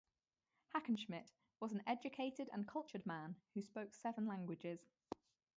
Hackenschmidt was an educated and cultured man who spoke seven languages.